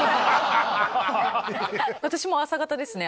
私も朝型ですね。